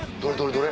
どれ？